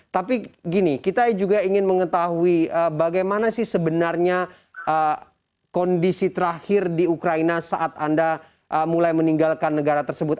tapi gini kita juga ingin mengetahui bagaimana sih sebenarnya kondisi terakhir di ukraina saat anda mulai meninggalkan negara tersebut